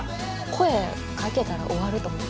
声かけたら終わると思って。